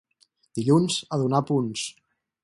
Dilluns, a donar punts.